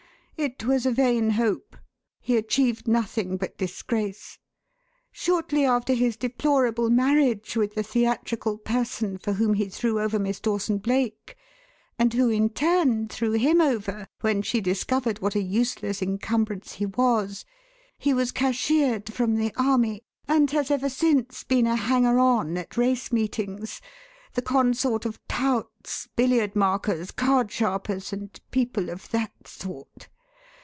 It was a vain hope. He achieved nothing but disgrace. Shortly after his deplorable marriage with the theatrical person for whom he threw over Miss Dawson Blake and who in turn threw him over when she discovered what a useless encumbrance he was he was cashiered from the army, and has ever since been a hanger on at race meetings the consort of touts, billiard markers, card sharpers, and people of that sort.